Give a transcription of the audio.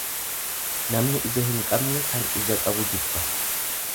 Namni ija hin qabne kan ija qabu jibba.